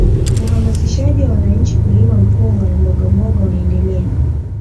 Uhamasishaji wa wananchi kulima mpunga na mbogamboga unaendelea